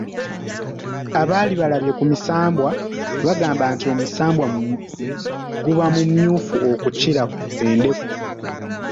Abaali balabye ku misambwa batugamba nti omusambwa guba mumyufu okukira endeku.